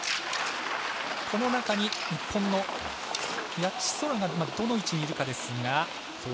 この中に日本の谷地宙がどの位置にいるかですが。